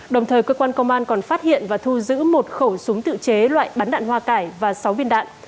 đồng thời cơ quan công an còn phát hiện và thu giữ một khẩu súng tự chế loại bắn đạn hoa cải và sáu viên đạn